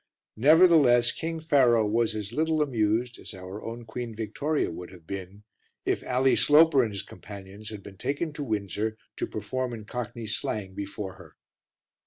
Nevertheless, King Pharaoh was as little amused as our own Queen Victoria would have been if Ally Sloper and his companions had been taken to Windsor to perform in cockney slang before her.